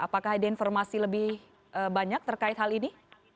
apakah ada informasi lebih banyak terkait hal ini